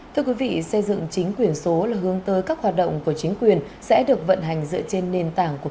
thưa quý vị xây dựng chính quyền số là hướng tới các hoạt động của chính quyền sẽ được vận hành dựa trên nền tảng của